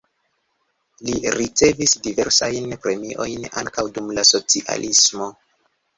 Li ricevis diversajn premiojn ankaŭ dum la socialismo.